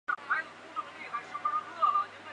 该游利是殖民地上首次同类抗议活动。